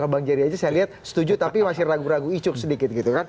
kalau bang jiri aja saya lihat setuju tapi masih ragu ragu icuk sedikit